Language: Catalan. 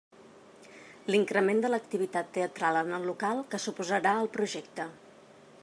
L'increment de l'activitat teatral en el local que suposarà el projecte.